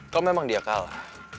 kalau memang dia kalah